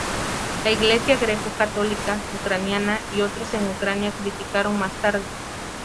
La Iglesia greco-católica ucraniana y otros en Ucrania criticaron más tarde.